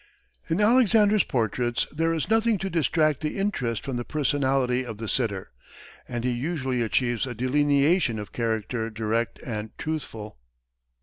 In Alexander's portraits there is nothing to distract the interest from the personality of the sitter, and he usually achieves a delineation of character direct and truthful.